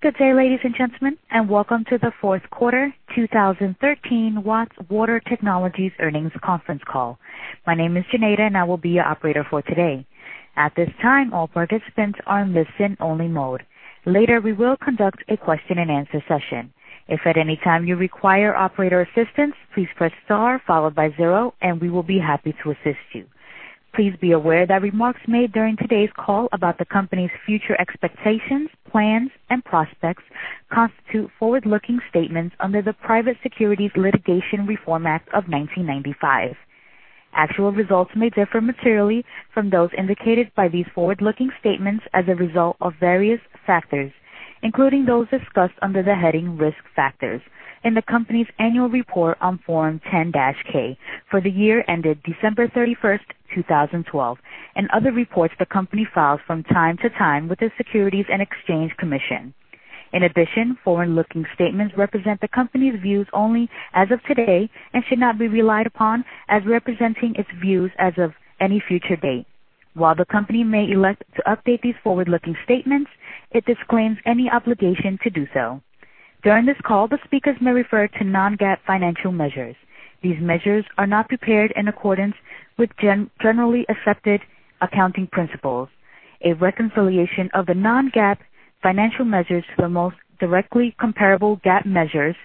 Good day, ladies and gentlemen, and welcome to the Fourth Quarter 2013 Watts Water Technologies Earnings Conference Call. My name is Zhaneta, and I will be your operator for today. At this time, all participants are in listen-only mode. Later, we will conduct a question-and-answer session. If at any time you require operator assistance, please press star followed by zero, and we will be happy to assist you. Please be aware that remarks made during today's call about the company's future expectations, plans, and prospects constitute forward-looking statements under the Private Securities Litigation Reform Act of 1995. Actual results may differ materially from those indicated by these forward-looking statements as a result of various factors, including those discussed under the heading Risk Factors in the company's annual report on Form 10-K for the year ended December 31st, 2012, and other reports the company files from time to time with the Securities and Exchange Commission. In addition, forward-looking statements represent the company's views only as of today and should not be relied upon as representing its views as of any future date. While the company may elect to update these forward-looking statements, it disclaims any obligation to do so. During this call, the speakers may refer to non-GAAP financial measures. These measures are not prepared in accordance with generally accepted accounting principles. A reconciliation of the non-GAAP financial measures to the most directly comparable GAAP measures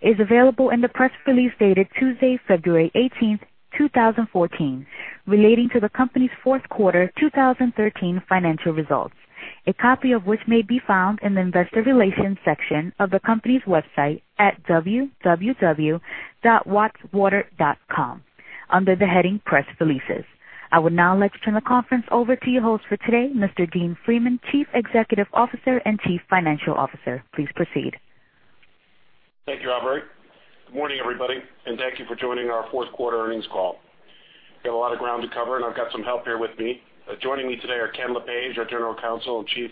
is available in the press release dated Tuesday, February 18th, 2014, relating to the company's fourth quarter 2013 financial results, a copy of which may be found in the Investor Relations section of the company's website at www.wattswater.com under the heading Press Releases. I would now like to turn the conference over to your host for today, Mr. Dean Freeman, Chief Executive Officer and Chief Financial Officer. Please proceed. Thank you, operator. Good morning, everybody, and thank you for joining our fourth quarter earnings call. We have a lot of ground to cover, and I've got some help here with me. Joining me today are Ken Lepage, our General Counsel and Chief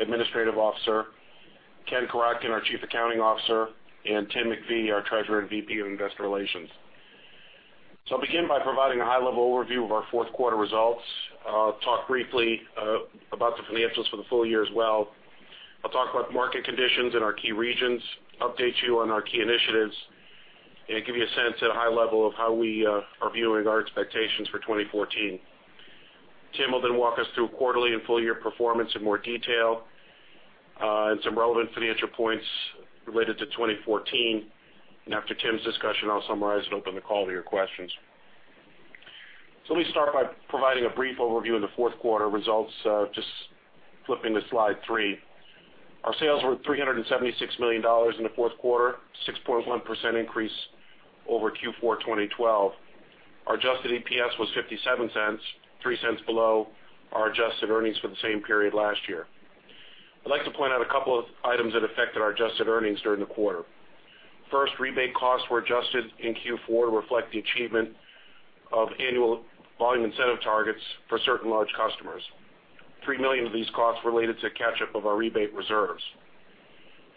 Administrative Officer, Ken Korotkin, our Chief Accounting Officer, and Tim MacPhee, our Treasurer and VP of Investor Relations. I'll begin by providing a high-level overview of our fourth quarter results. I'll talk briefly about the financials for the full year as well. I'll talk about market conditions in our key regions, update you on our key initiatives, and give you a sense at a high level of how we are viewing our expectations for 2014. Tim will then walk us through quarterly and full year performance in more detail, and some relevant financial points related to 2014. After Tim's discussion, I'll summarize and open the call to your questions. Let me start by providing a brief overview of the fourth quarter results. Just flipping to slide three. Our sales were $376 million in the fourth quarter, 6.1% increase over Q4 2012. Our adjusted EPS was $0.57, $0.03 below our adjusted earnings for the same period last year. I'd like to point out a couple of items that affected our adjusted earnings during the quarter. First, rebate costs were adjusted in Q4 to reflect the achievement of annual volume incentive targets for certain large customers. $3 million of these costs related to catch up of our rebate reserves.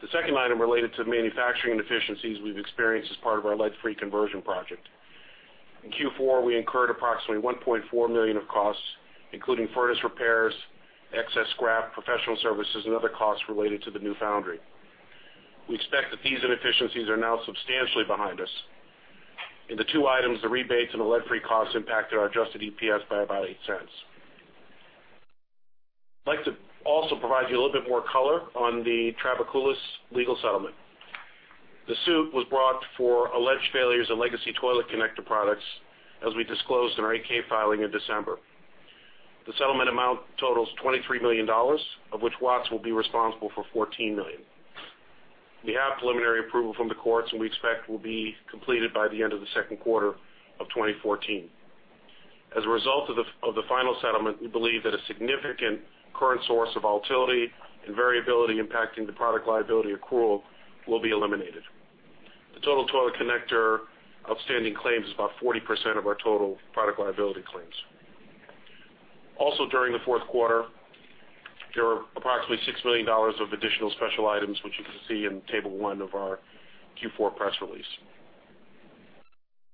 The second item related to manufacturing inefficiencies we've experienced as part of our lead-free conversion project. In Q4, we incurred approximately $1.4 million of costs, including furnace repairs, excess scrap, professional services, and other costs related to the new foundry. We expect that these inefficiencies are now substantially behind us. In the two items, the rebates and the lead-free costs impacted our adjusted EPS by about $0.08. I'd like to also provide you a little bit more color on the Trabakoolas legal settlement. The suit was brought for alleged failures of legacy toilet connector products, as we disclosed in our 8-K filing in December. The settlement amount totals $23 million, of which Watts will be responsible for $14 million. We have preliminary approval from the courts, and we expect will be completed by the end of the second quarter of 2014. As a result of the final settlement, we believe that a significant current source of volatility and variability impacting the product liability accrual will be eliminated. The total toilet connector outstanding claims is about 40% of our total product liability claims. Also, during the fourth quarter, there were approximately $6 million of additional special items, which you can see in Table 1 of our Q4 press release.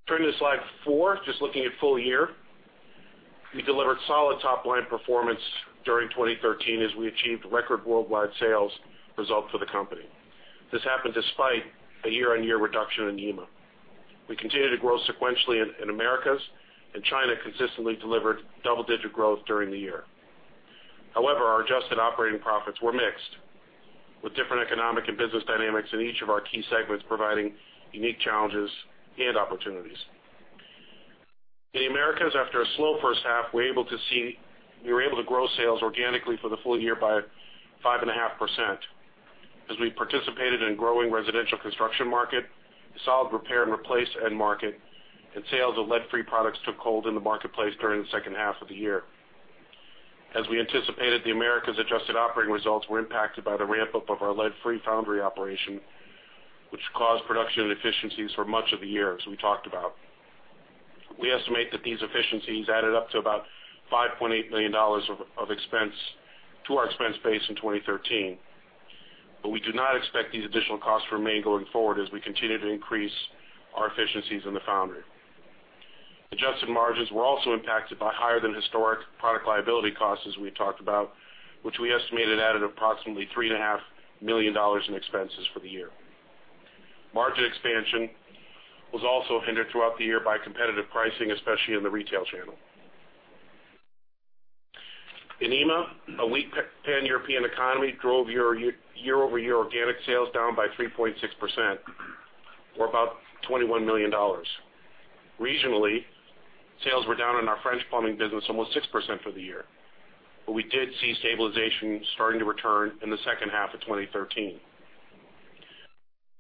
Turning to slide four, just looking at full year. We delivered solid top-line performance during 2013 as we achieved record worldwide sales result for the company. This happened despite a year-on-year reduction in EMEA. We continued to grow sequentially in Americas, and China consistently delivered double-digit growth during the year. However, our adjusted operating profits were mixed, with different economic and business dynamics in each of our key segments, providing unique challenges and opportunities. In the Americas, after a slow first half, we're able to see—we were able to grow sales organically for the full year by 5.5% as we participated in growing residential construction market, a solid repair and replace end market, and sales of lead-free products took hold in the marketplace during the second half of the year. As we anticipated, the Americas adjusted operating results were impacted by the ramp-up of our lead-free foundry operation, which caused production inefficiencies for much of the year, as we talked about. We estimate that these efficiencies added up to about $5.8 million of expense to our expense base in 2013, but we do not expect these additional costs to remain going forward as we continue to increase our efficiencies in the foundry. Adjusted margins were also impacted by higher than historic product liability costs, as we talked about, which we estimated added approximately $3.5 million in expenses for the year. Margin expansion was also hindered throughout the year by competitive pricing, especially in the retail channel. In EMEA, a weak Pan-European economy drove year-over-year organic sales down by 3.6%, or about $21 million. Regionally, sales were down in our French plumbing business almost 6% for the year, but we did see stabilization starting to return in the second half of 2013.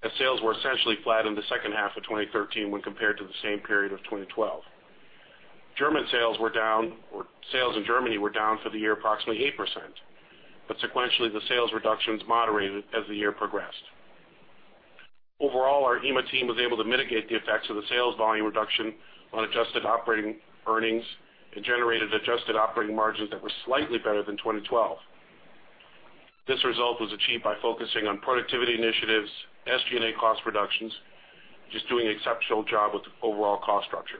As sales were essentially flat in the second half of 2013 when compared to the same period of 2012. German sales were down, or sales in Germany were down for the year, approximately 8%, but sequentially, the sales reductions moderated as the year progressed. Overall, our EMEA team was able to mitigate the effects of the sales volume reduction on adjusted operating earnings and generated adjusted operating margins that were slightly better than 2012. This result was achieved by focusing on productivity initiatives, SG&A cost reductions, just doing an exceptional job with the overall cost structure.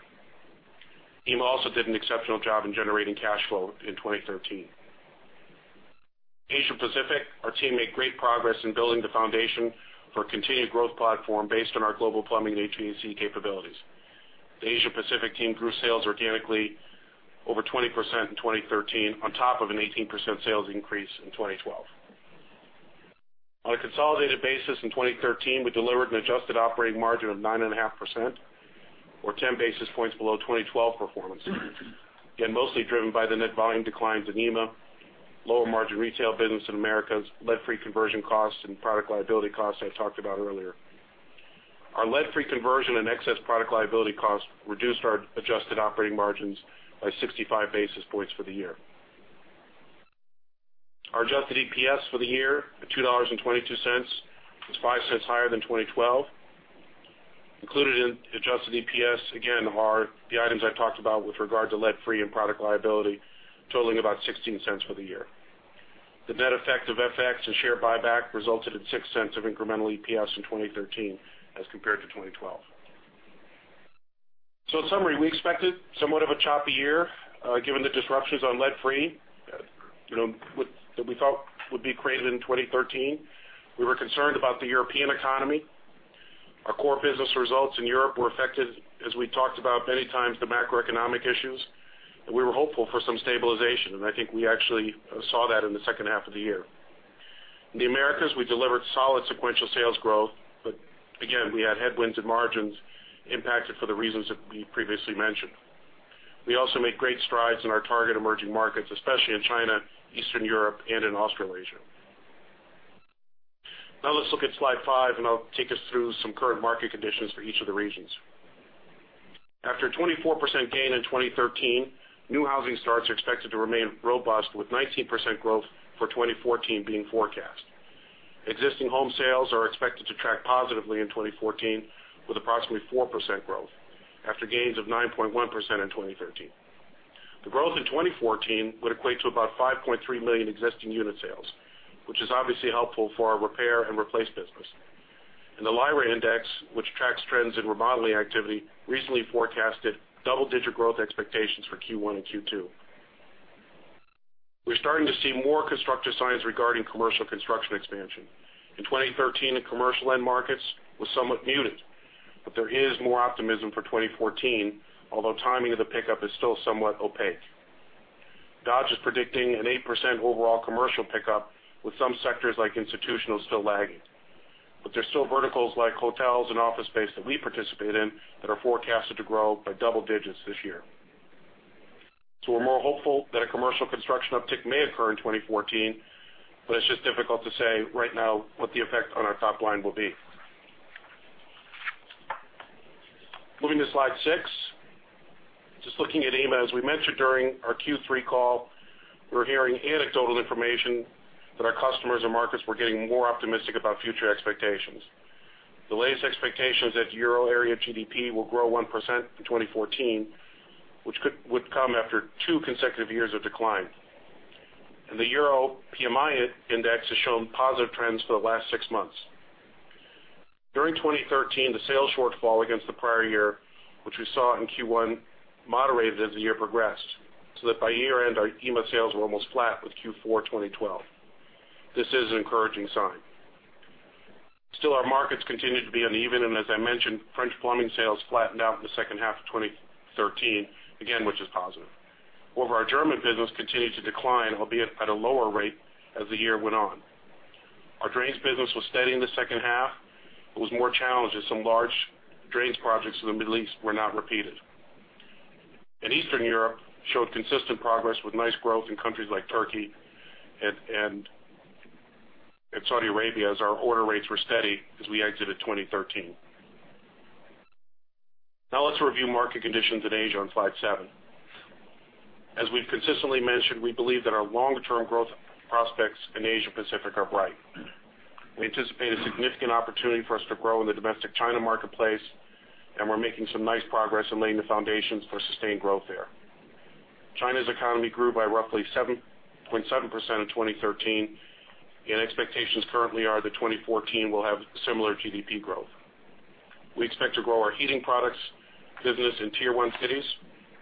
EMEA also did an exceptional job in generating cash flow in 2013. Asia Pacific, our team made great progress in building the foundation for a continued growth platform based on our global plumbing and HVAC capabilities. The Asia Pacific team grew sales organically over 20% in 2013, on top of an 18% sales increase in 2012. On a consolidated basis, in 2013, we delivered an adjusted operating margin of 9.5%, or 10 basis points below 2012 performance, again, mostly driven by the net volume declines in EMEA, lower margin retail business in Americas, lead-free conversion costs and product liability costs I talked about earlier. Our lead-free conversion and excess product liability costs reduced our adjusted operating margins by 65 basis points for the year. Our adjusted EPS for the year at $2.22, is $0.05 higher than 2012. Included in adjusted EPS, again, are the items I talked about with regard to lead-free and product liability, totaling about $0.16 for the year. The net effect of FX and share buyback resulted in $0.06 of incremental EPS in 2013 as compared to 2012. So in summary, we expected somewhat of a choppy year, given the disruptions on lead-free, you know, that we thought would be created in 2013. We were concerned about the European economy. Our core business results in Europe were affected, as we talked about many times, the macroeconomic issues, and we were hopeful for some stabilization, and I think we actually saw that in the second half of the year. In the Americas, we delivered solid sequential sales growth, but again, we had headwinds and margins impacted for the reasons that we previously mentioned. We also made great strides in our target emerging markets, especially in China, Eastern Europe, and in Australasia. Now let's look at slide five, and I'll take us through some current market conditions for each of the regions. After a 24% gain in 2013, new housing starts are expected to remain robust, with 19% growth for 2014 being forecast. Existing home sales are expected to track positively in 2014, with approximately 4% growth after gains of 9.1% in 2013. The growth in 2014 would equate to about 5.3 million existing unit sales, which is obviously helpful for our repair and replace business. And the LIRA Index, which tracks trends in remodeling activity, recently forecasted double-digit growth expectations for Q1 and Q2. We're starting to see more constructive signs regarding commercial construction expansion. In 2013, the commercial end markets was somewhat muted, but there is more optimism for 2014, although timing of the pickup is still somewhat opaque. Dodge is predicting an 8% overall commercial pickup, with some sectors like institutional still lagging. But there's still verticals like hotels and office space that we participate in, that are forecasted to grow by double digits this year. So we're more hopeful that a commercial construction uptick may occur in 2014, but it's just difficult to say right now what the effect on our top line will be. Moving to slide six. Just looking at EMEA, as we mentioned during our Q3 call, we're hearing anecdotal information that our customers and markets were getting more optimistic about future expectations. The latest expectations that Euro area GDP will grow 1% in 2014, which would come after two consecutive years of decline. The Euro PMI index has shown positive trends for the last six months. During 2013, the sales shortfall against the prior year, which we saw in Q1, moderated as the year progressed, so that by year-end, our EMEA sales were almost flat with Q4 2012. This is an encouraging sign. Still, our markets continued to be uneven, and as I mentioned, French plumbing sales flattened out in the second half of 2013, again, which is positive. However, our German business continued to decline, albeit at a lower rate as the year went on. Our drains business was steady in the second half. It was more challenged as some large drains projects in the Middle East were not repeated. In Eastern Europe, showed consistent progress with nice growth in countries like Turkey and Saudi Arabia, as our order rates were steady as we exited 2013. Now, let's review market conditions in Asia on slide seven. As we've consistently mentioned, we believe that our long-term growth prospects in Asia Pacific are bright. We anticipate a significant opportunity for us to grow in the domestic China marketplace, and we're making some nice progress in laying the foundations for sustained growth there.... China's economy grew by roughly 7.7% in 2013, and expectations currently are that 2014 will have similar GDP growth. We expect to grow our heating products business in Tier One cities,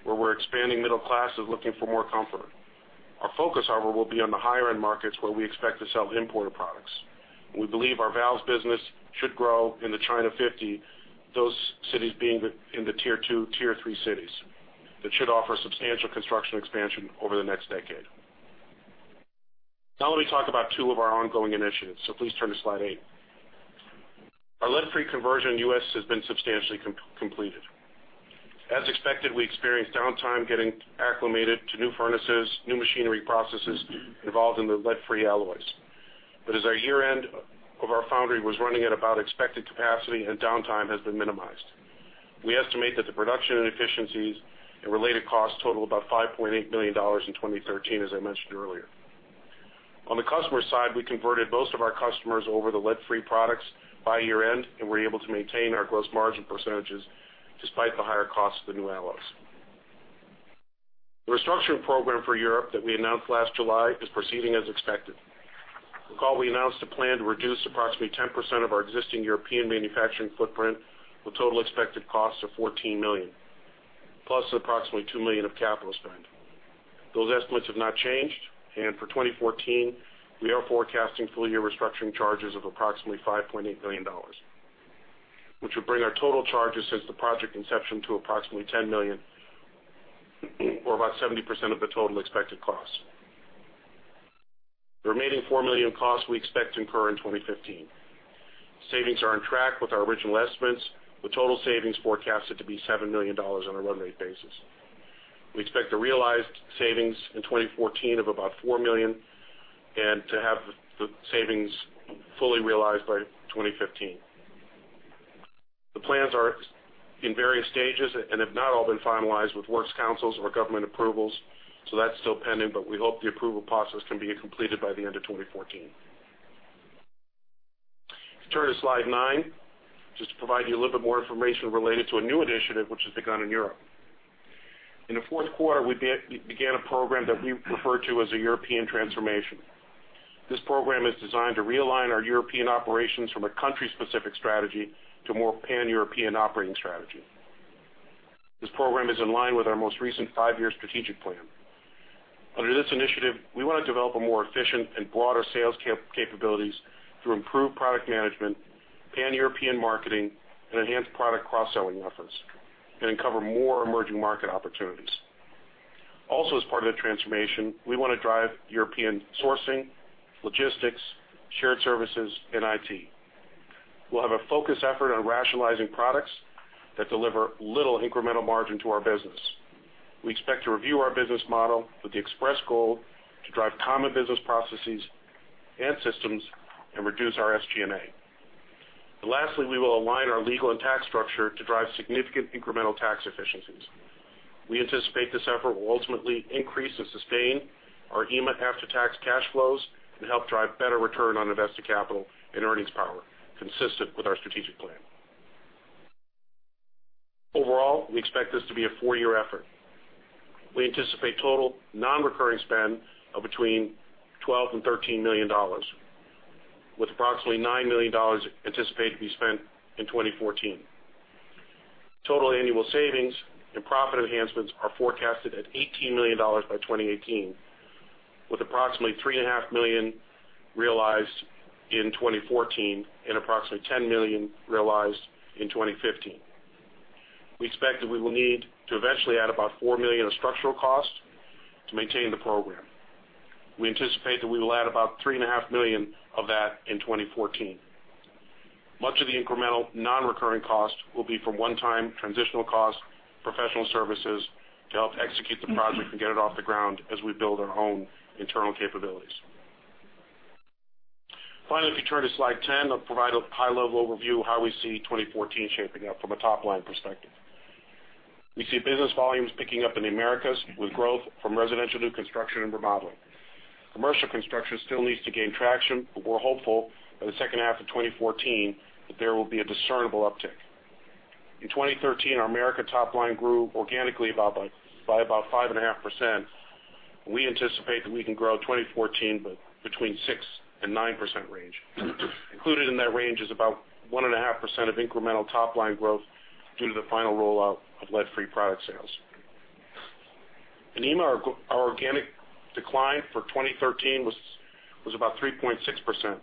where we're expanding middle class is looking for more comfort. Our focus, however, will be on the higher-end markets, where we expect to sell importer products. We believe our valves business should grow in the China 50, those cities being the, in the tier two, tier three cities, that should offer substantial construction expansion over the next decade. Now let me talk about two of our ongoing initiatives, so please turn to slide eight. Our lead-free conversion in U.S. has been substantially completed. As expected, we experienced downtime getting acclimated to new furnaces, new machinery processes involved in the lead-free alloys. But as of year-end, our foundry was running at about expected capacity and downtime has been minimized. We estimate that the production inefficiencies and related costs total about $5.8 million in 2013, as I mentioned earlier. On the customer side, we converted most of our customers over to lead-free products by year-end, and we're able to maintain our gross margin percentages despite the higher cost of the new alloys. The restructuring program for Europe that we announced last July is proceeding as expected. Recall, we announced a plan to reduce approximately 10% of our existing European manufacturing footprint, with total expected costs of $14 million, plus approximately $2 million of capital spend. Those estimates have not changed, and for 2014, we are forecasting full-year restructuring charges of approximately $5.8 million, which will bring our total charges since the project inception to approximately $10 million, or about 70% of the total expected cost. The remaining $4 million costs we expect to incur in 2015. Savings are on track with our original estimates, with total savings forecasted to be $7 million on a run rate basis. We expect to realize savings in 2014 of about $4 million and to have the savings fully realized by 2015. The plans are in various stages and have not all been finalized with works councils or government approvals, so that's still pending, but we hope the approval process can be completed by the end of 2014. If you turn to slide nine, just to provide you a little bit more information related to a new initiative which has begun in Europe. In the fourth quarter, we began a program that we refer to as a European transformation. This program is designed to realign our European operations from a country-specific strategy to a more Pan-European operating strategy. This program is in line with our most recent five-year strategic plan. Under this initiative, we want to develop a more efficient and broader sales capabilities through improved product management, Pan-European marketing, and enhanced product cross-selling efforts, and uncover more emerging market opportunities. Also, as part of the transformation, we want to drive European sourcing, logistics, shared services, and IT. We'll have a focused effort on rationalizing products that deliver little incremental margin to our business. We expect to review our business model with the express goal to drive common business processes and systems and reduce our SG&A. And lastly, we will align our legal and tax structure to drive significant incremental tax efficiencies. We anticipate this effort will ultimately increase and sustain our EMEA after-tax cash flows and help drive better return on invested capital and earnings power consistent with our strategic plan. Overall, we expect this to be a four-year effort. We anticipate total nonrecurring spend of between $12 million and $13 million, with approximately $9 million anticipated to be spent in 2014. Total annual savings and profit enhancements are forecasted at $18 million by 2018, with approximately $3.5 million realized in 2014 and approximately $10 million realized in 2015. We expect that we will need to eventually add about $4 million of structural costs to maintain the program. We anticipate that we will add about $3.5 million of that in 2014. Much of the incremental nonrecurring costs will be from one-time transitional costs, professional services to help execute the project and get it off the ground as we build our own internal capabilities. Finally, if you turn to slide 10, I'll provide a high-level overview of how we see 2014 shaping up from a top-line perspective. We see business volumes picking up in the Americas, with growth from residential new construction and remodeling. Commercial construction still needs to gain traction, but we're hopeful by the second half of 2014 that there will be a discernible uptick. In 2013, our Americas top line grew organically by about 5.5%. We anticipate that we can grow 2014 by between 6% and 9% range. Included in that range is about 1.5% of incremental top-line growth due to the final rollout of lead-free product sales. In EMEA, our organic decline for 2013 was about 3.6%.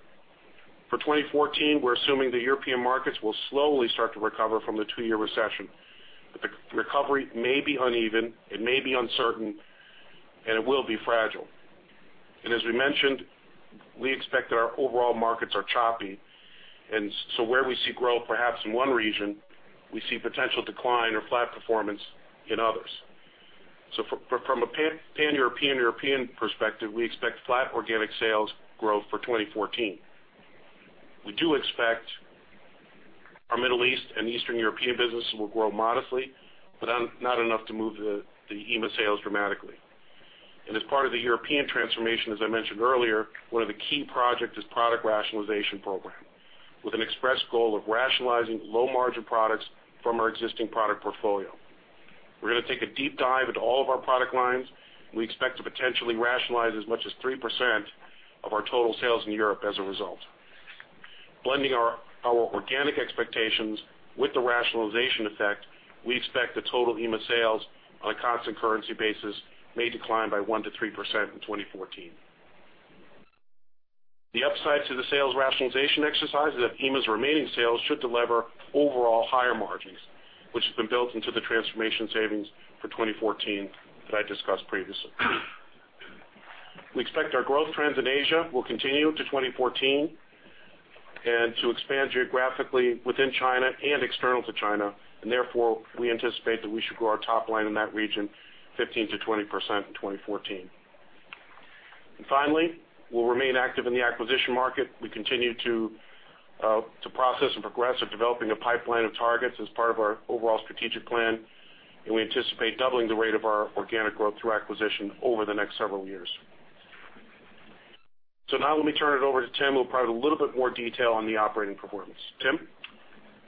For 2014, we're assuming the European markets will slowly start to recover from the two-year recession, but the recovery may be uneven, it may be uncertain, and it will be fragile. As we mentioned, we expect that our overall markets are choppy, and so where we see growth, perhaps in one region, we see potential decline or flat performance in others. From a Pan-European perspective, we expect flat organic sales growth for 2014. We do expect our Middle East and Eastern European businesses will grow modestly, but not enough to move the EMEA sales dramatically. As part of the European transformation, as I mentioned earlier, one of the key projects is product rationalization program, with an express goal of rationalizing low-margin products from our existing product portfolio. We're gonna take a deep dive into all of our product lines, and we expect to potentially rationalize as much as 3% of our total sales in Europe as a result. Blending our organic expectations with the rationalization effect, we expect the total EMEA sales on a constant currency basis may decline by 1%-3% in 2014. The upside to the sales rationalization exercise is that EMEA's remaining sales should delever overall higher margins, which have been built into the transformation savings for 2014 that I discussed previously. We expect our growth trends in Asia will continue to 2014 and to expand geographically within China and external to China, and therefore, we anticipate that we should grow our top line in that region 15%-20% in 2014. And finally, we'll remain active in the acquisition market. We continue to progress in developing a pipeline of targets as part of our overall strategic plan, and we anticipate doubling the rate of our organic growth through acquisition over the next several years. So now let me turn it over to Tim, who'll provide a little bit more detail on the operating performance. Tim?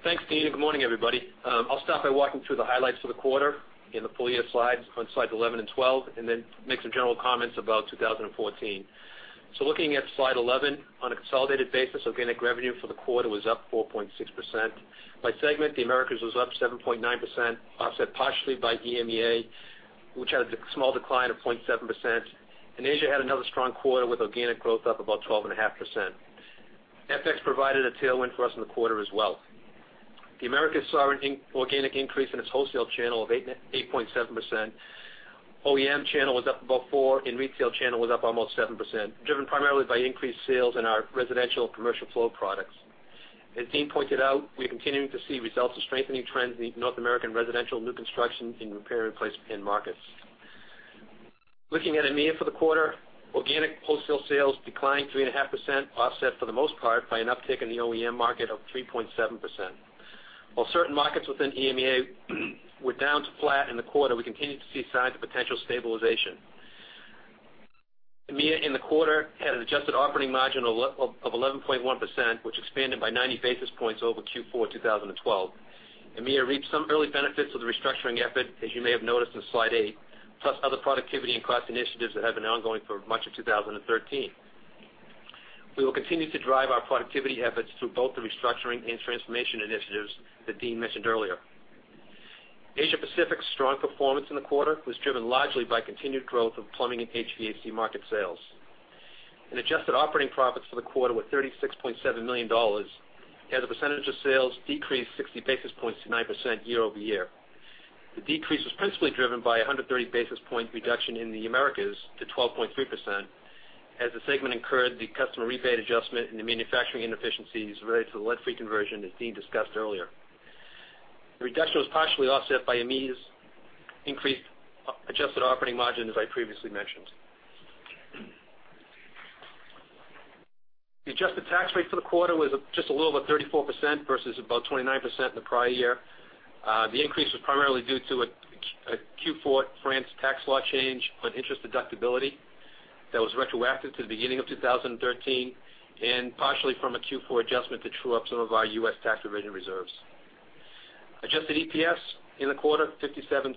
Thanks, Dean, and good morning, everybody. I'll start by walking through the highlights for the quarter in the full year slides on slides 11 and 12, and then make some general comments about 2014. So looking at slide 11, on a consolidated basis, organic revenue for the quarter was up 4.6%. By segment, the Americas was up 7.9%, offset partially by EMEA, which had a small decline of 0.7%. And Asia had another strong quarter with organic growth up about 12.5%. FX provided a tailwind for us in the quarter as well. The Americas saw an organic increase in its wholesale channel of 8.7%. OEM channel was up about 4%, and retail channel was up almost 7%, driven primarily by increased sales in our residential and commercial flow products. As Dean pointed out, we are continuing to see results of strengthening trends in the North American residential new construction in repair and replacement markets. Looking at EMEA for the quarter, organic wholesale sales declined 3.5%, offset for the most part by an uptick in the OEM market of 3.7%. While certain markets within EMEA were down to flat in the quarter, we continued to see signs of potential stabilization. EMEA, in the quarter, had an adjusted operating margin of 11.1%, which expanded by ninety basis points over Q4 2012. EMEA reaped some early benefits of the restructuring effort, as you may have noticed on slide eight, plus other productivity and cost initiatives that have been ongoing for much of 2013. We will continue to drive our productivity efforts through both the restructuring and transformation initiatives that Dean mentioned earlier. Asia Pacific's strong performance in the quarter was driven largely by continued growth of plumbing and HVAC market sales. Adjusted operating profits for the quarter were $36.7 million, as a percentage of sales decreased 60 basis points to 9% year-over-year. The decrease was principally driven by a 130 basis point reduction in the Americas to 12.3%, as the segment incurred the customer rebate adjustment and the manufacturing inefficiencies related to the lead-free conversion that Dean discussed earlier. The reduction was partially offset by EMEA's increased adjusted operating margin, as I previously mentioned. The adjusted tax rate for the quarter was just a little over 34% versus about 29% in the prior year. The increase was primarily due to a Q4 France tax law change on interest deductibility that was retroactive to the beginning of 2013, and partially from a Q4 adjustment to true up some of our U.S. tax-related reserves. Adjusted EPS in the quarter, $0.57,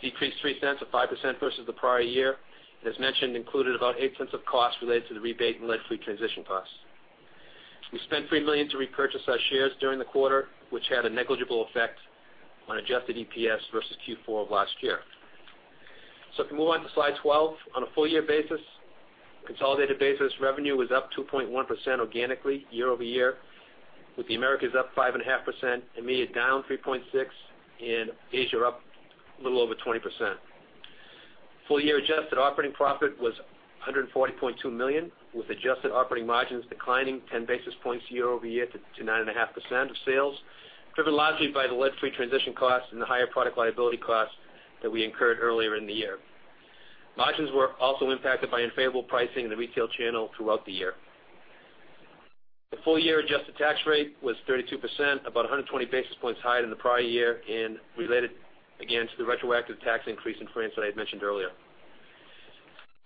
decreased $0.03 or 5% versus the prior year, and as mentioned, included about $0.08 of costs related to the rebate and lead-free transition costs. We spent $3 million to repurchase our shares during the quarter, which had a negligible effect on adjusted EPS versus Q4 of last year. So if you move on to slide 12, on a full-year basis, consolidated basis, revenue was up 2.1% organically year-over-year, with the Americas up 5.5%, EMEA down 3.6%, and Asia up a little over 20%. Full-year adjusted operating profit was $140.2 million, with adjusted operating margins declining 10 basis points year-over-year to 9.5% of sales, driven largely by the lead-free transition costs and the higher product liability costs that we incurred earlier in the year. Margins were also impacted by unfavorable pricing in the retail channel throughout the year. The full year adjusted tax rate was 32%, about 120 basis points higher than the prior year, and related, again, to the retroactive tax increase in France that I had mentioned earlier.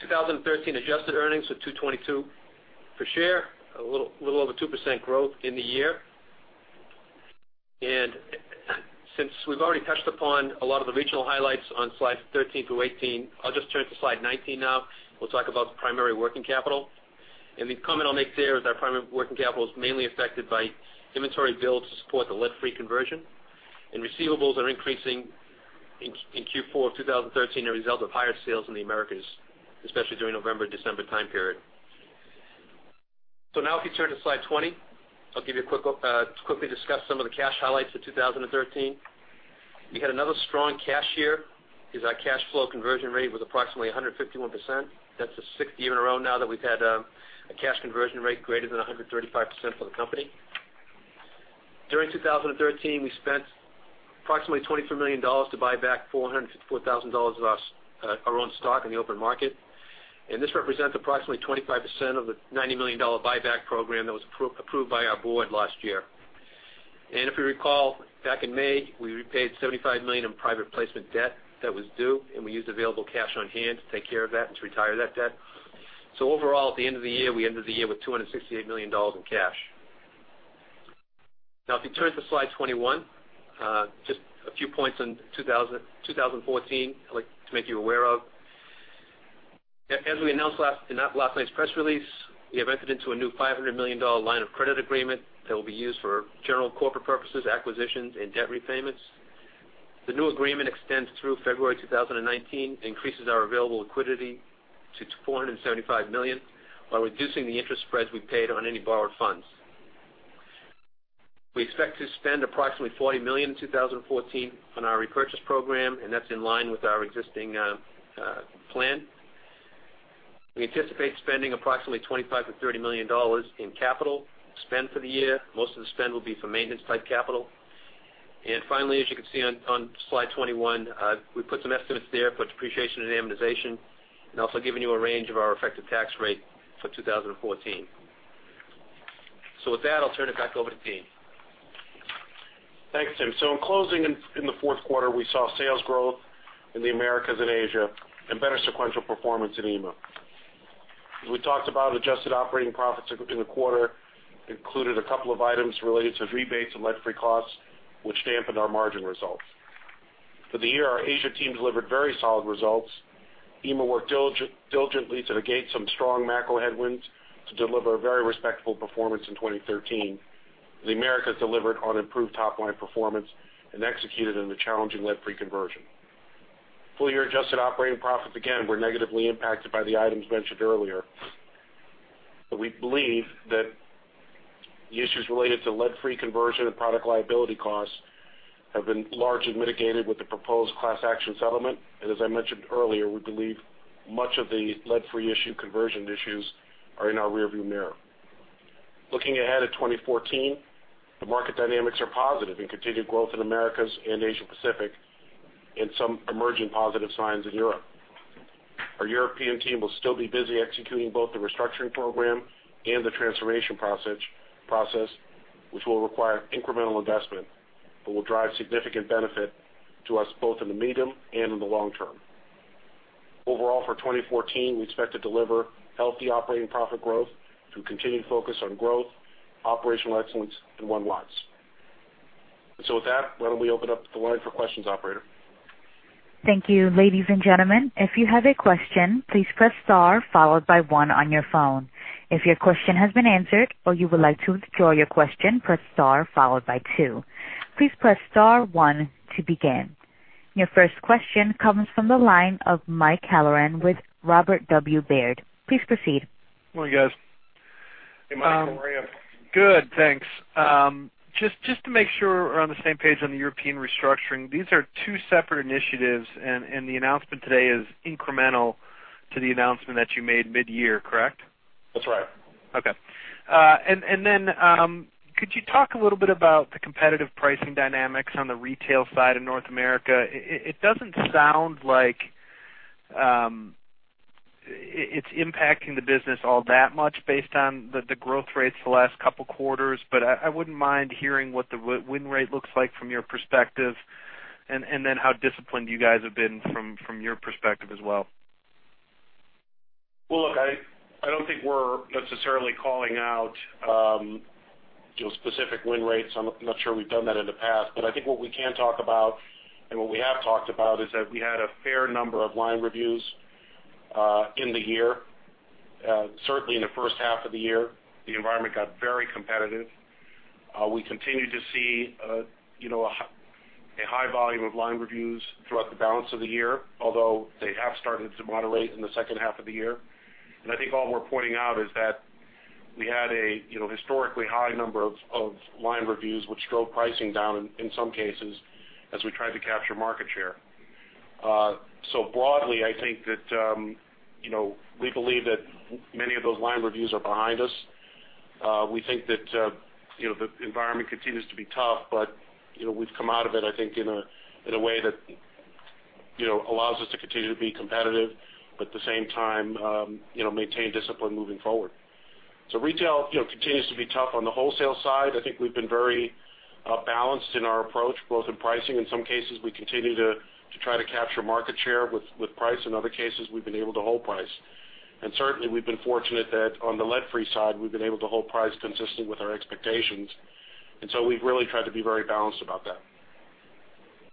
2013 adjusted earnings of $2.22 per share, a little, little over 2% growth in the year. And since we've already touched upon a lot of the regional highlights on slides 13 through 18, I'll just turn to slide 19 now. We'll talk about the primary working capital. And the comment I'll make there is our primary working capital is mainly affected by inventory builds to support the lead-free conversion, and receivables are increasing in, in Q4 of 2013, a result of higher sales in the Americas, especially during November, December time period. So now if you turn to slide 20, I'll give you a quick, quickly discuss some of the cash highlights for 2013. We had another strong cash year, as our cash flow conversion rate was approximately 151%. That's the sixth year in a row now that we've had, a cash conversion rate greater than 135% for the company. During 2013, we spent approximately $23 million to buy back $454,000 of our own stock in the open market, and this represents approximately 25% of the $90 million buyback program that was approved by our board last year. And if you recall, back in May, we repaid $75 million in private placement debt that was due, and we used available cash on hand to take care of that and to retire that debt. So overall, at the end of the year, we ended the year with $268 million in cash. Now, if you turn to slide 21, just a few points on 2014, I'd like to make you aware of. As we announced last night in last night's press release, we have entered into a new $500 million line of credit agreement that will be used for general corporate purposes, acquisitions and debt repayments. The new agreement extends through February 2019, increases our available liquidity to $475 million, while reducing the interest spreads we paid on any borrowed funds. We expect to spend approximately $40 million in 2014 on our repurchase program, and that's in line with our existing plan. We anticipate spending approximately $25 million-$30 million in capital spend for the year. Most of the spend will be for maintenance-type capital. Finally, as you can see on slide 21, we put some estimates there for depreciation and amortization, and also giving you a range of our effective tax rate for 2014. With that, I'll turn it back over to Dean. Thanks, Tim. So in closing, in the fourth quarter, we saw sales growth in the Americas and Asia, and better sequential performance in EMEA. As we talked about, adjusted operating profits in the quarter included a couple of items related to rebates and lead-free costs, which dampened our margin results. For the year, our Asia team delivered very solid results. EMEA worked diligently to negate some strong macro headwinds to deliver a very respectable performance in 2013. The Americas delivered on improved top-line performance and executed in the challenging lead-free conversion. Full-year adjusted operating profits, again, were negatively impacted by the items mentioned earlier. But we believe that the issues related to lead-free conversion and product liability costs have been largely mitigated with the proposed class action settlement. As I mentioned earlier, we believe much of the lead-free issue conversion issues are in our rearview mirror. Looking ahead at 2014, the market dynamics are positive in continued growth in Americas and Asia Pacific, and some emerging positive signs in Europe. Our European team will still be busy executing both the restructuring program and the transformation process, which will require incremental investment, but will drive significant benefit to us both in the medium and in the long term. Overall, for 2014, we expect to deliver healthy operating profit growth through continued focus on growth, operational excellence and One Watts. So with that, why don't we open up the line for questions, operator? Thank you. Ladies and gentlemen, if you have a question, please press star followed by one on your phone. If your question has been answered or you would like to withdraw your question, press star followed by two. Please press star one to begin. Your first question comes from the line of Mike Halloran with Robert W. Baird. Please proceed. Good morning, guys. Hey, Mike, how are you? Good, thanks. Just to make sure we're on the same page on the European restructuring, these are two separate initiatives, and the announcement today is incremental to the announcement that you made mid-year, correct? That's right. Okay. And then, could you talk a little bit about the competitive pricing dynamics on the retail side of North America? It doesn't sound like it's impacting the business all that much based on the growth rates the last couple quarters, but I wouldn't mind hearing what the win rate looks like from your perspective, and then how disciplined you guys have been from your perspective as well. Well, look, I don't think we're necessarily calling out, you know, specific win rates. I'm not sure we've done that in the past. But I think what we can talk about, and what we have talked about, is that we had a fair number of line reviews in the year. Certainly in the first half of the year, the environment got very competitive. We continued to see, you know, a high volume of line reviews throughout the balance of the year, although they have started to moderate in the second half of the year. And I think all we're pointing out is that we had a, you know, historically high number of line reviews, which drove pricing down in some cases, as we tried to capture market share. So broadly, I think that, you know, we believe that many of those line reviews are behind us. We think that, you know, the environment continues to be tough, but, you know, we've come out of it, I think, in a, in a way that, you know, allows us to continue to be competitive, but at the same time, you know, maintain discipline moving forward. So retail, you know, continues to be tough. On the wholesale side, I think we've been very balanced in our approach, both in pricing. In some cases, we continue to try to capture market share with price. In other cases, we've been able to hold price. Certainly, we've been fortunate that on the lead-free side, we've been able to hold price consistent with our expectations, and so we've really tried to be very balanced about that.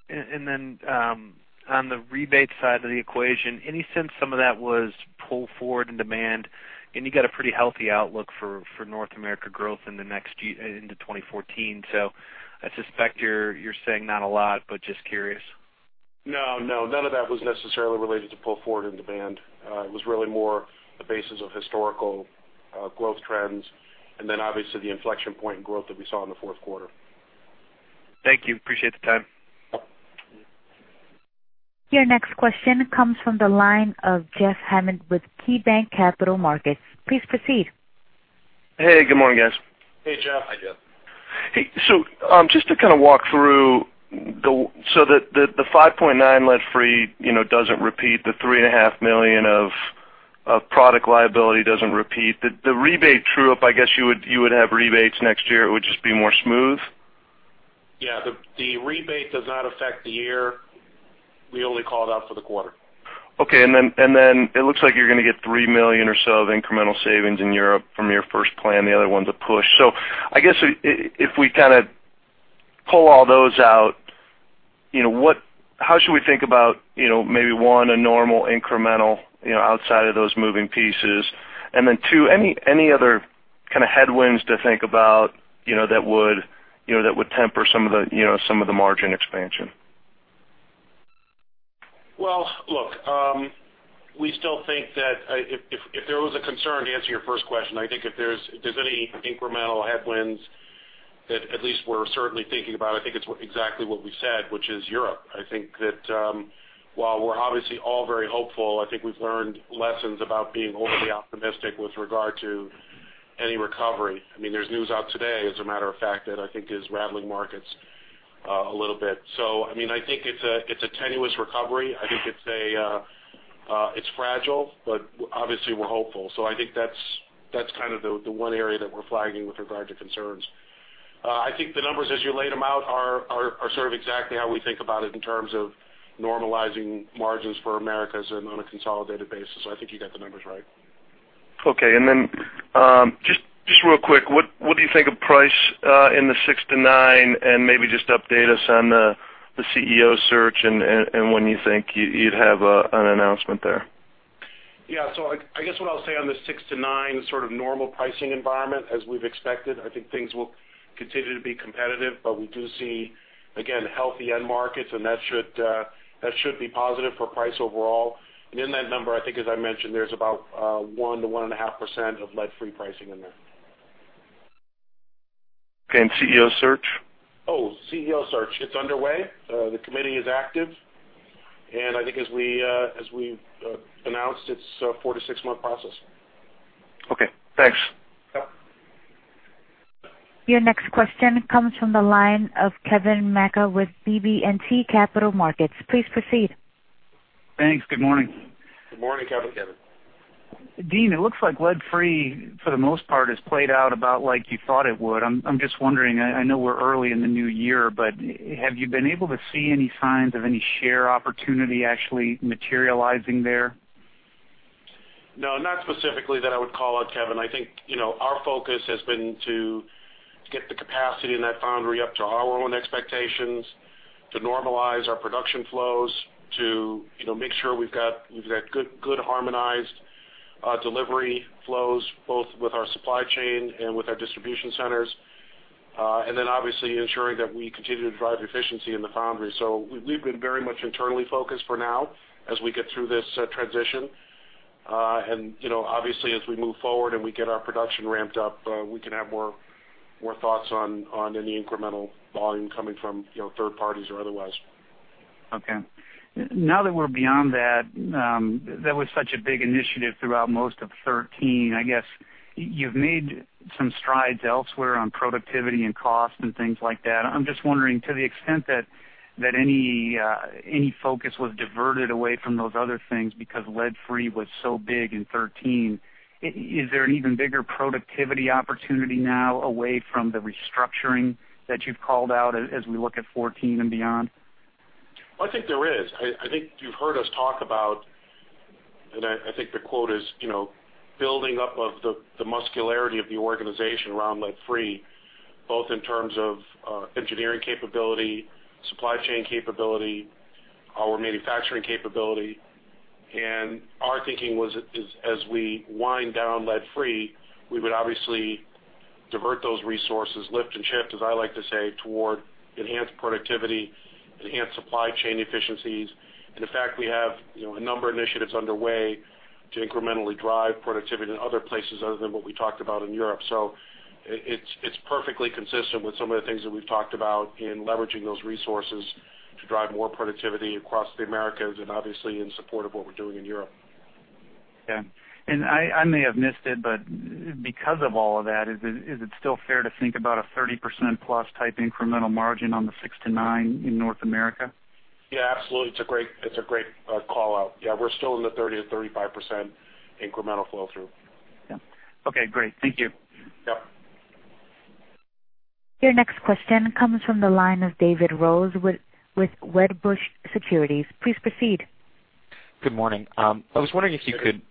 And then, on the rebate side of the equation, any sense some of that was pull forward in demand? And you got a pretty healthy outlook for North America growth in the next year into 2014, so I suspect you're saying not a lot, but just curious. No, no, none of that was necessarily related to pull forward in demand. It was really more the basis of historical growth trends, and then obviously the inflection point in growth that we saw in the fourth quarter. Thank you. Appreciate the time. Your next question comes from the line of Jeff Hammond with KeyBanc Capital Markets. Please proceed. Hey, good morning, guys. Hey, Jeff. Hi, Jeff. Hey, so just to kind of walk through the. So the $5.9 lead-free, you know, doesn't repeat the $3.5 million of a product liability doesn't repeat. The rebate true-up, I guess, you would have rebates next year, it would just be more smooth? Yeah, the rebate does not affect the year. We only call it out for the quarter. Okay. And then it looks like you're gonna get $3 million or so of incremental savings in Europe from your first plan. The other one's a push. So I guess if we kind of pull all those out, you know, what, how should we think about, you know, maybe one, a normal incremental, you know, outside of those moving pieces? And then two, any other kind of headwinds to think about, you know, that would, you know, that would temper some of the, you know, some of the margin expansion? Well, look, we still think that, if there was a concern, to answer your first question, I think if there's any incremental headwinds that at least we're certainly thinking about, I think it's exactly what we said, which is Europe. I think that, while we're obviously all very hopeful, I think we've learned lessons about being overly optimistic with regard to any recovery. I mean, there's news out today, as a matter of fact, that I think is rattling markets a little bit. So, I mean, I think it's a tenuous recovery. I think it's fragile, but obviously, we're hopeful. So I think that's kind of the one area that we're flagging with regard to concerns. I think the numbers, as you laid them out, are sort of exactly how we think about it in terms of normalizing margins for Americas and on a consolidated basis. So I think you got the numbers right. Okay. And then, just real quick, what do you think of price in the 6%-9%? And maybe just update us on the CEO search and when you think you'd have an announcement there. Yeah. So I guess what I'll say on the 6%-9%, sort of normal pricing environment as we've expected. I think things will continue to be competitive, but we do see, again, healthy end markets, and that should be positive for price overall. And in that number, I think, as I mentioned, there's about 1-1.5% of lead-free pricing in there. Okay, and CEO search? Oh, CEO search. It's underway. The committee is active, and I think as we announced, it's a 4-6-month process. Okay, thanks. Yep. Your next question comes from the line of Kevin Maczka with BB&T Capital Markets. Please proceed. Thanks. Good morning. Good morning, Kevin. Kevin. Dean, it looks like lead-free, for the most part, has played out about like you thought it would. I'm just wondering, I know we're early in the new year, but have you been able to see any signs of any share opportunity actually materializing there? No, not specifically that I would call out, Kevin. I think, you know, our focus has been to get the capacity in that foundry up to our own expectations, to normalize our production flows, to, you know, make sure we've got good, good harmonized delivery flows, both with our supply chain and with our distribution centers. And, you know, obviously, as we move forward and we get our production ramped up, we can have more thoughts on any incremental volume coming from, you know, third parties or otherwise. Okay. Now that we're beyond that, that was such a big initiative throughout most of 2013. I guess, you've made some strides elsewhere on productivity and cost and things like that. I'm just wondering, to the extent that, that any, any focus was diverted away from those other things because lead-free was so big in 2013, is there an even bigger productivity opportunity now away from the restructuring that you've called out as, as we look at 2014 and beyond? I think there is. I think you've heard us talk about, and I think the quote is, you know, building up of the muscularity of the organization around lead-free, both in terms of engineering capability, supply chain capability, our manufacturing capability. And our thinking was as we wind down lead-free, we would obviously divert those resources, lift and shift, as I like to say, toward enhanced productivity, enhanced supply chain efficiencies. And in fact, we have, you know, a number of initiatives underway to incrementally drive productivity in other places other than what we talked about in Europe. So it's perfectly consistent with some of the things that we've talked about in leveraging those resources to drive more productivity across the Americas and obviously in support of what we're doing in Europe. Yeah. And I may have missed it, but because of all of that, is it still fair to think about a 30% plus type incremental margin on the 6%-9% in North America? Yeah, absolutely. It's a great, it's a great, call-out. Yeah, we're still in the 30%-35% incremental flow through. Yeah. Okay, great. Thank you. Yep. Your next question comes from the line of David Rose with Wedbush Securities. Please proceed. Good morning. I was wondering if you could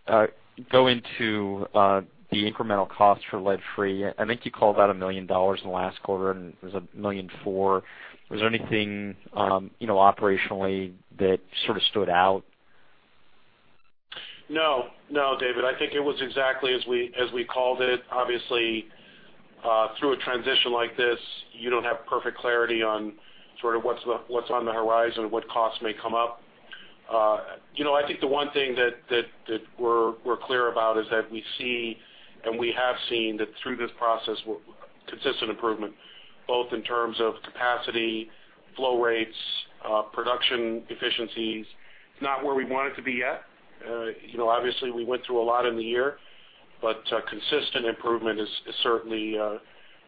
go into the incremental cost for lead-free. I think you called out $1 million in the last quarter, and it was $1.4 million. Was there anything, you know, operationally that sort of stood out? No, no, David. I think it was exactly as we called it. Obviously, through a transition like this, you don't have perfect clarity on sort of what's on the horizon, what costs may come up. You know, I think the one thing that we're clear about is that we see, and we have seen, that through this process, consistent improvement, both in terms of capacity, flow rates, production efficiencies. It's not where we want it to be yet. You know, obviously, we went through a lot in the year, but consistent improvement is certainly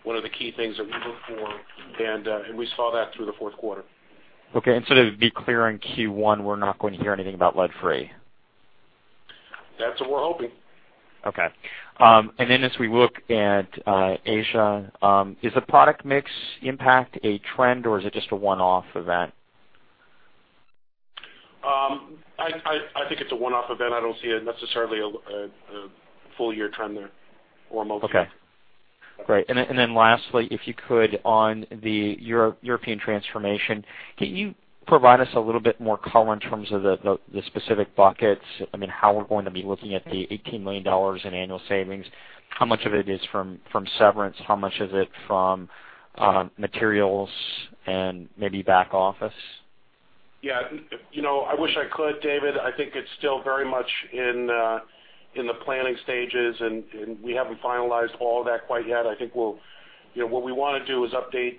one of the key things that we look for, and we saw that through the fourth quarter. ... Okay, and so to be clear, in Q1, we're not going to hear anything about lead-free? That's what we're hoping. Okay. And then as we look at Asia, is the product mix impact a trend, or is it just a one-off event? I think it's a one-off event. I don't see it necessarily a full year trend there or motion. Okay. Great. Then lastly, if you could, on the European transformation, can you provide us a little bit more color in terms of the specific buckets? I mean, how we're going to be looking at the $18 million in annual savings, how much of it is from severance? How much of it from materials and maybe back office? Yeah. You know, I wish I could, David. I think it's still very much in the planning stages, and we haven't finalized all of that quite yet. I think we'll, you know, what we wanna do is update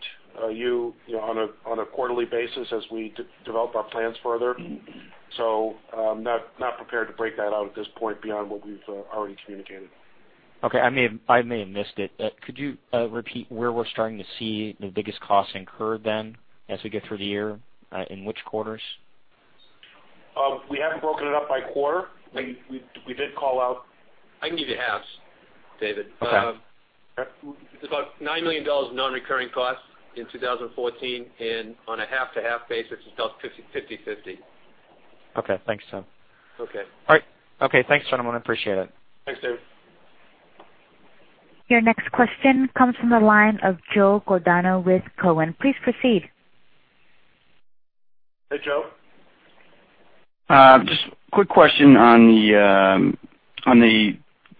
you know on a quarterly basis as we develop our plans further. So, not prepared to break that out at this point beyond what we've already communicated. Okay, I may, I may have missed it. Could you repeat where we're starting to see the biggest costs incurred then, as we get through the year, in which quarters? We haven't broken it up by quarter. We did call out- I can give you halves, David. Okay. It's about $9 million of non-recurring costs in 2014, and on a half-to-half basis, it's about 50, 50/50. Okay. Thanks, Tim. Okay. All right. Okay, thanks, gentlemen. I appreciate it. Thanks, David. Your next question comes from the line of Joe Giordano with Cowen. Please proceed. Hey, Joe. Just quick question on the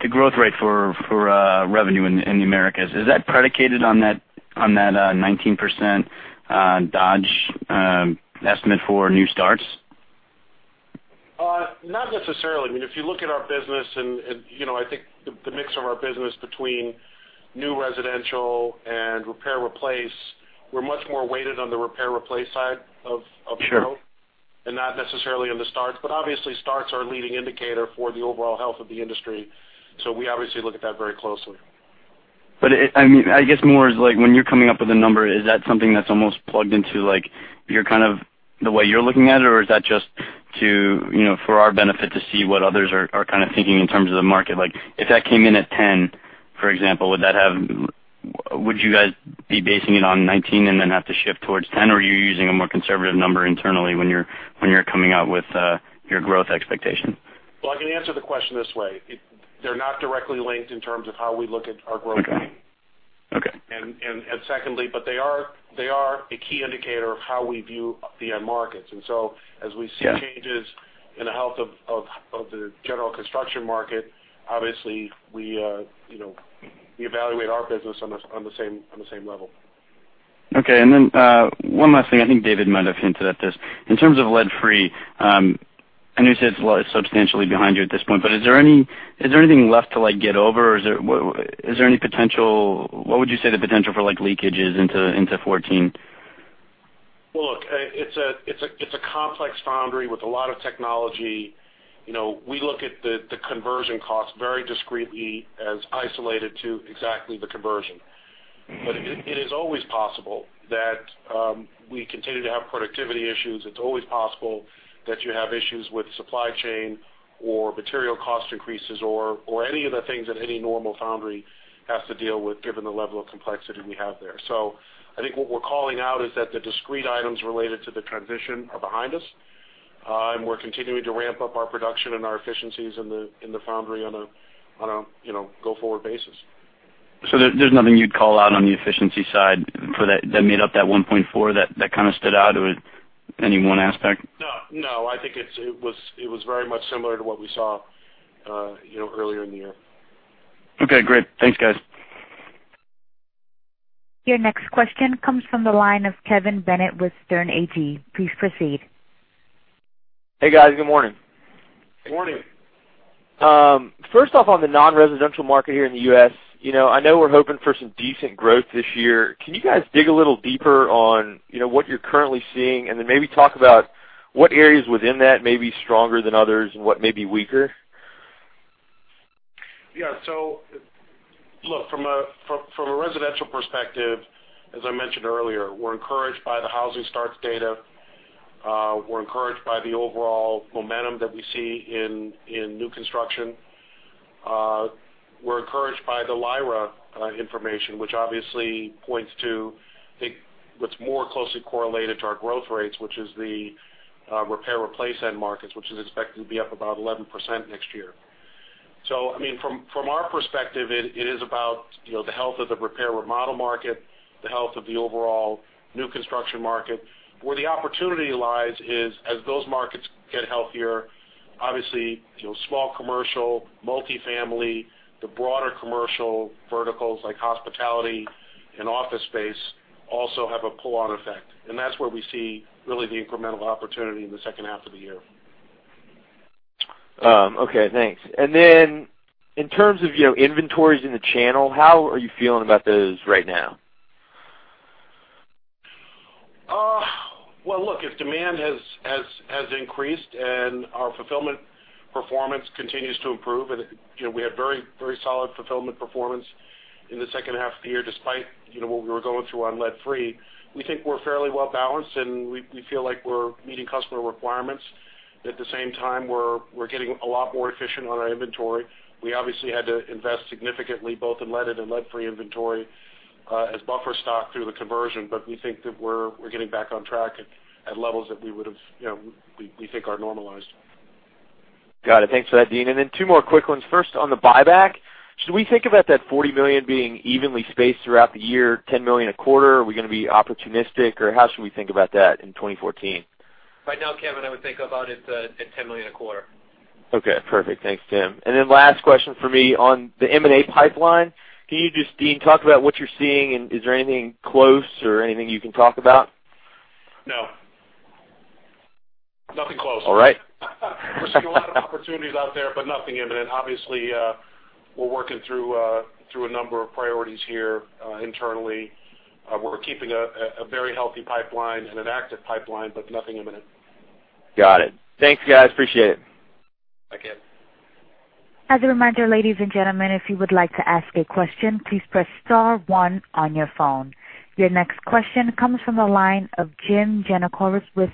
growth rate for revenue in the Americas. Is that predicated on that 19% Dodge estimate for new starts? Not necessarily. I mean, if you look at our business and, you know, I think the mix of our business between new residential and repair-replace, we're much more weighted on the repair-replace side of growth- Sure. and not necessarily on the starts. But obviously, starts are a leading indicator for the overall health of the industry, so we obviously look at that very closely. But it, I mean, I guess more is like when you're coming up with a number, is that something that's almost plugged into, like, you're kind of the way you're looking at it, or is that just to, you know, for our benefit to see what others are kind of thinking in terms of the market? Like, if that came in at 10%, for example, would that have... Would you guys be basing it on 19% and then have to shift towards 10%, or are you using a more conservative number internally when you're, when you're coming out with your growth expectation? Well, I can answer the question this way. They're not directly linked in terms of how we look at our growth rate. Okay, okay. Secondly, but they are, they are a key indicator of how we view the end markets. Yeah. So as we see changes in the health of the general construction market, obviously, you know, we evaluate our business on the same level. Okay. Then, one last thing. I think David might have hinted at this. In terms of lead-free, I know you said it's substantially behind you at this point, but is there anything left to, like, get over, or is there any potential... What would you say the potential for, like, leakages into, into 2014? Well, look, it's a complex foundry with a lot of technology. You know, we look at the conversion costs very discreetly as isolated to exactly the conversion. Mm-hmm. It is always possible that we continue to have productivity issues. It's always possible that you have issues with supply chain or material cost increases or any of the things that any normal foundry has to deal with, given the level of complexity we have there. I think what we're calling out is that the discrete items related to the transition are behind us, and we're continuing to ramp up our production and our efficiencies in the foundry on a you know, go-forward basis. So, there's nothing you'd call out on the efficiency side for that, that made up that 1.4%, that kind of stood out or any one aspect? No, no, I think it's, it was very much similar to what we saw, you know, earlier in the year. Okay, great. Thanks, guys. Your next question comes from the line of Kevin Bennett with Sterne Agee. Please proceed. Hey, guys. Good morning. Good morning. First off, on the non-residential market here in the U.S., you know, I know we're hoping for some decent growth this year. Can you guys dig a little deeper on, you know, what you're currently seeing, and then maybe talk about what areas within that may be stronger than others and what may be weaker? Yeah. So look, from a residential perspective, as I mentioned earlier, we're encouraged by the housing starts data. We're encouraged by the overall momentum that we see in new construction. We're encouraged by the LIRA information, which obviously points to, I think, what's more closely correlated to our growth rates, which is the repair-replace end markets, which is expected to be up about 11% next year. So I mean, from our perspective, it is about, you know, the health of the repair-remodel market, the health of the overall new construction market. Where the opportunity lies is, as those markets get healthier, obviously, you know, small commercial, multifamily, the broader commercial verticals like hospitality and office space also have a pull-on effect, and that's where we see really the incremental opportunity in the second half of the year. Okay, thanks. And then in terms of, you know, inventories in the channel, how are you feeling about those right now?... Well, look, if demand has increased and our fulfillment performance continues to improve, and, you know, we had very, very solid fulfillment performance in the second half of the year, despite, you know, what we were going through on lead-free, we think we're fairly well balanced, and we feel like we're meeting customer requirements. At the same time, we're getting a lot more efficient on our inventory. We obviously had to invest significantly, both in leaded and lead-free inventory, as buffer stock through the conversion, but we think that we're getting back on track at levels that we would have, you know, we think are normalized. Got it. Thanks for that, Dean. And then two more quick ones. First, on the buyback, should we think about that $40 million being evenly spaced throughout the year, $10 million a quarter? Are we gonna be opportunistic, or how should we think about that in 2014? Right now, Kevin, I would think about it at $10 million a quarter. Okay, perfect. Thanks, Tim. And then last question for me on the M&A pipeline. Can you just, Dean, talk about what you're seeing, and is there anything close or anything you can talk about? No. Nothing close. All right. We're seeing a lot of opportunities out there, but nothing imminent. Obviously, we're working through a number of priorities here, internally. We're keeping a very healthy pipeline and an active pipeline, but nothing imminent. Got it. Thanks, guys. Appreciate it. Bye, Kevin. As a reminder, ladies and gentlemen, if you would like to ask a question, please press star one on your phone. Your next question comes from the line of Jim Giannakouros with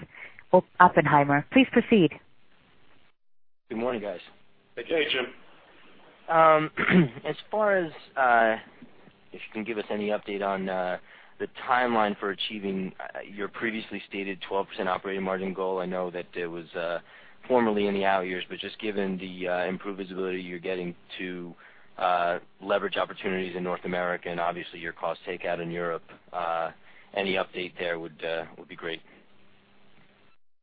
Oppenheimer. Please proceed. Good morning, guys. Hey, Jim. As far as if you can give us any update on the timeline for achieving your previously stated 12% operating margin goal, I know that it was formerly in the out years, but just given the improved visibility you're getting to leverage opportunities in North America and obviously your cost takeout in Europe, any update there would be great.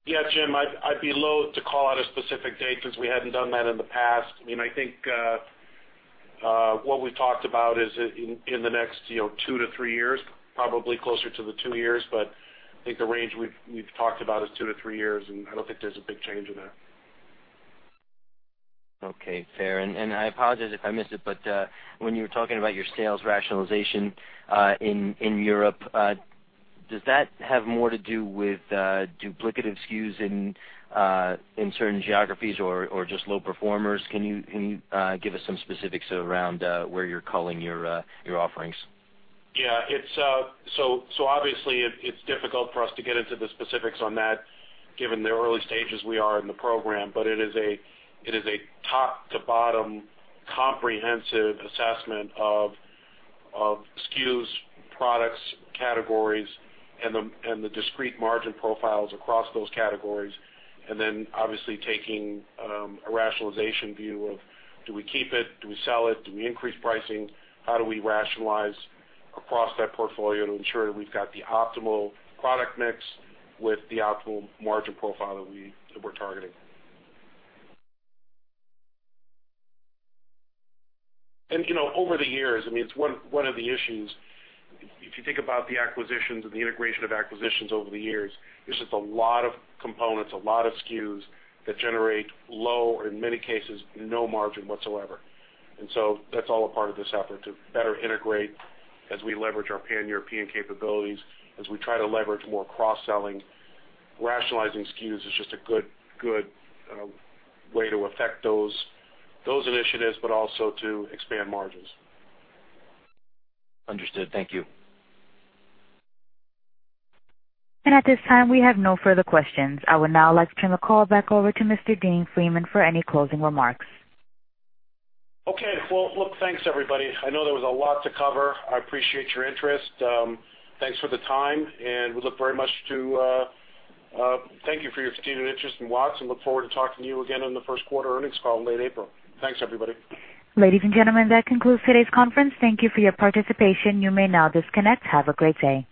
Yeah, Jim, I'd be loathe to call out a specific date because we hadn't done that in the past. I mean, I think what we've talked about is in the next, you know, two to three years, probably closer to the two years. But I think the range we've talked about is two to three years, and I don't think there's a big change in that. Okay, fair. I apologize if I missed it, but when you were talking about your sales rationalization in Europe, does that have more to do with duplicative SKUs in certain geographies or just low performers? Can you give us some specifics around where you're culling your offerings? Yeah, it's difficult for us to get into the specifics on that, given the early stages we are in the program. But it is a top to bottom, comprehensive assessment of SKUs, products, categories, and the discrete margin profiles across those categories. And then, obviously, taking a rationalization view of do we keep it, do we sell it, do we increase pricing? How do we rationalize across that portfolio to ensure that we've got the optimal product mix with the optimal margin profile that we're targeting? And, you know, over the years, I mean, it's one of the issues, if you think about the acquisitions and the integration of acquisitions over the years, there's just a lot of components, a lot of SKUs that generate low, or in many cases, no margin whatsoever. And so that's all a part of this effort to better integrate as we leverage our Pan-European capabilities, as we try to leverage more cross-selling. Rationalizing SKUs is just a good, good, way to affect those, those initiatives, but also to expand margins. Understood. Thank you. At this time, we have no further questions. I would now like to turn the call back over to Mr. Dean Freeman for any closing remarks. Okay, well, look, thanks, everybody. I know there was a lot to cover. I appreciate your interest. Thanks for the time, and we look very much to thank you for your continued interest in Watts and look forward to talking to you again on the first quarter earnings call in late April. Thanks, everybody. Ladies and gentlemen, that concludes today's conference. Thank you for your participation. You may now disconnect. Have a great day.